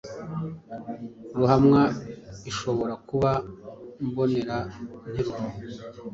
Ruhamwa ishobora kuba “mboneranteruro,